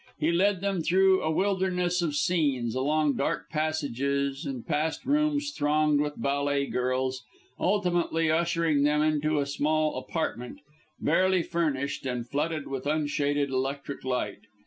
He led them through a wilderness of scenes, along dark passages, and past rooms thronged with ballet girls, ultimately ushering them into a small apartment, barely furnished and flooded with unshaded electric light.